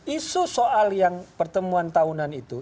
isu soal yang pertemuan tahunan itu